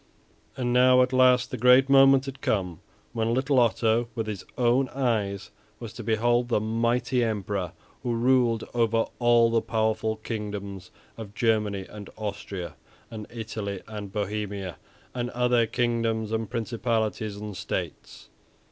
And now, at last the great moment had come when little Otto with his own eyes was to behold the mighty Emperor who ruled over all the powerful kingdoms of Germany and Austria, and Italy and Bohemia, and other kingdoms and principalities and states.